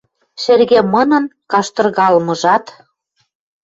Шӹргӹмынын каштыргалмыжат.